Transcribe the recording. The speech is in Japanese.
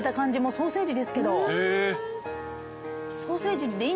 ソーセージ？